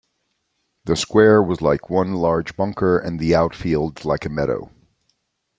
The "square" was like one large bunker and the outfield like a meadow.